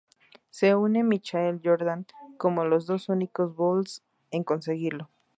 Se une a Michael Jordan como los dos únicos "bulls" en conseguirlo.